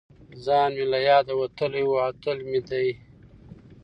ځان مې له یاده وتلی و او تل مې دې